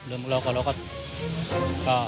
เริ่มรอกออกแล้วก็